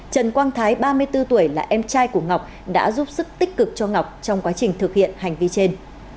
trần quang thái ba mươi bốn tuổi là em trai của ngọc đã giúp sức tích cực cho ngọc trong quá trình thực hiện hành vi trên